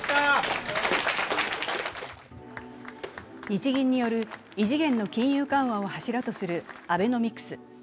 日銀による異次元の金融緩和を柱とするアベノミクス。